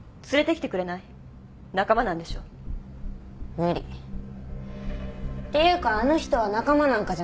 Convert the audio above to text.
無理。っていうかあの人は仲間なんかじゃないし。